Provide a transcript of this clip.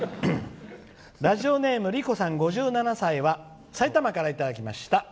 ラジオネーム、りこさんは埼玉からいただきました。